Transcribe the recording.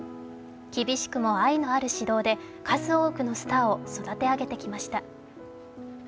厳しくも愛のある指導で数多くのスターを育て上げてきました。